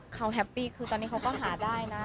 เขาแฮปปี้คือตอนนี้เขาก็หาได้นะ